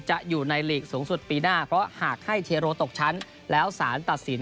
จะอยู่ในหลีกสูงสุดปีหน้าเพราะหากให้เทโรตกชั้นแล้วสารตัดสิน